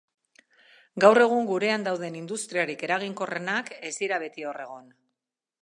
Gaur egun gurean dauden industriarik eraginkorrenak ez dira beti hor egon.